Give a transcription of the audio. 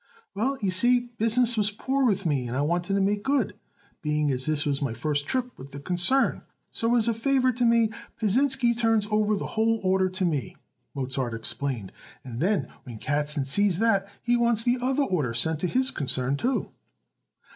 "Well, you see, business was poor with me and I wanted to make good, being as this was my first trip with the concern; so, as a favor to me Pasinsky turns over the whole order to me," Mozart explained; "and then, when Katzen sees that, he wants the other order sent to his concern, too."